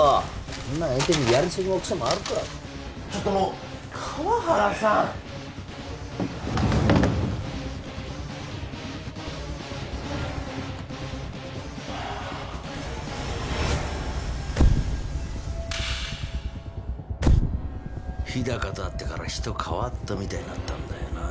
そんな相手にやりすぎもクソもあるかちょっともう河原さんはあ日高と会ってから人変わったみたいだったんだよなあ